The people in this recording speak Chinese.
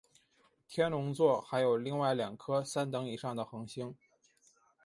天龙座还有另外两颗三等以上的恒星。